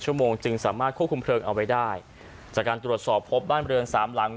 โมงจึงสามารถควบคุมเพลิงเอาไว้ได้จากการตรวจสอบพบบ้านเรือนสามหลัง